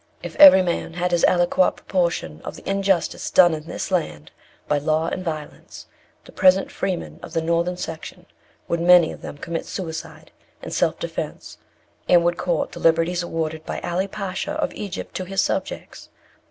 If every man had his aliquot proportion of the injustice done in this land, by law and violence, the present freemen of the northern section would many of them commit suicide in self defence, and would court the liberties awarded by Ali Pasha of Egypt to his subjects.